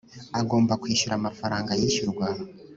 agomba kwishyura amafaranga yishyurwa